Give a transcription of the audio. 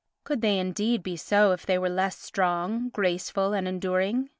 Could they indeed be so if they were less strong, graceful and enduring?